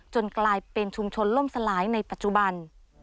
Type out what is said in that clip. กลายเป็นชุมชนล่มสลายในปัจจุบัน